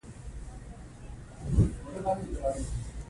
د غره سرونه په ژمي کې په سپینو واورو پټ وي.